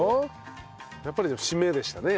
やっぱり締めでしたね。